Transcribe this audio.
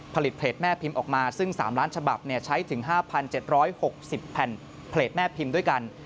เพจแม่พิมพ์ออกมาซึ่ง๓ล้านฉบับใช้ถึง๕๗๖๐แผ่นเพจแม่พิมพ์ด้วยกัน